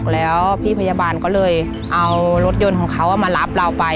แล้วพี่พยาบาลก็เลยเอารถยนต์ของเขามารับเราไป